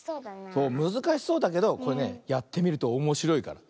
そうむずかしそうだけどこれねやってみるとおもしろいから。